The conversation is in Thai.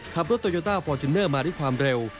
โตโยต้าฟอร์จูเนอร์มาด้วยความเร็ว